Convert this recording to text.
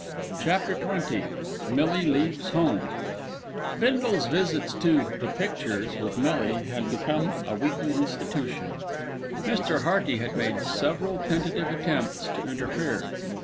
CHAPTER XX MILLIE LEAVES HOME Bindle's visits to "the pictures" with Millie had become a weekly institution. Mr. Hearty had made several tentative attempts to interfere.